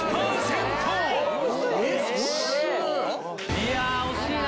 いや惜しいな！